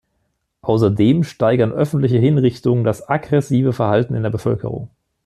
Außerdem steigern öffentliche Hinrichtungen das aggressive Verhalten in der Bevölkerung.